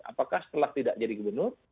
apakah setelah tidak jadi gubernur